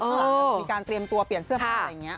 มีการเตรียมตัวเปลี่ยนเสื้อผ้าอะไรอย่างนี้